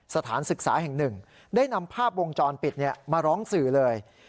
สถานศึกษาแห่งหนึ่งได้นำภาพวงจรปิดมาร้องสื่อเลย